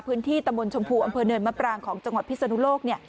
พื้นที่ตะมนต์ชมพูอำเภอเนินมะปรางของจังหวัดพิศนุโลก